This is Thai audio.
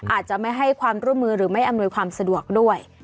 อาจจะไม่ให้ความร่วมมือหรือไม่อำนวยความสะดวกด้วย